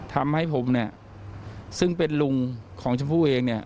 ทำให้ผมซึ่งเป็นลุงของชมผู้เอง